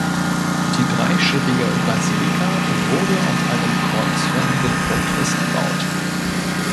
Die dreischiffige Basilika wurde auf einem kreuzförmigen Grundriss erbaut.